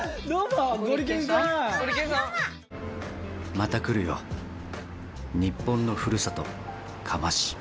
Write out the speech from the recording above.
また来るよ日本のふるさと嘉麻市。